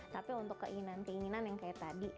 tapi untuk keinginan keinginan yang kayak tadi